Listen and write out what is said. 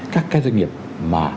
các cái doanh nghiệp mà